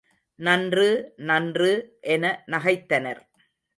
நன்று நன்று என நகைத்தனர்.